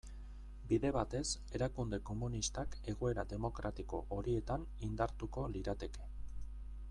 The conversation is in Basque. Bide batez, erakunde komunistak egoera demokratiko horietan indartuko lirateke.